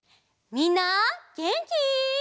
みんなげんき？